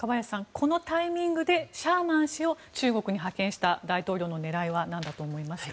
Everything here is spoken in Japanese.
このタイミングでシャーマン氏を中国に派遣した大統領の狙いは何だと思いますか。